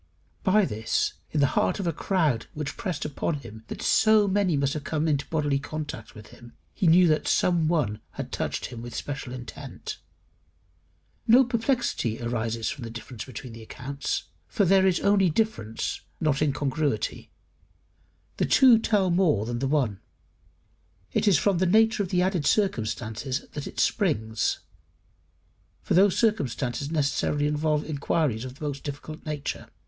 By this, in the heart of a crowd which pressed upon him so that many must have come into bodily contact with him, he knew that some one had touched him with special intent. No perplexity arises from the difference between the accounts, for there is only difference, not incongruity: the two tell more than the one; it is from the nature of the added circumstances that it springs, for those circumstances necessarily involve inquiries of the most difficult nature.